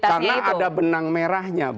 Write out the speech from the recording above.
karena ada benang merahnya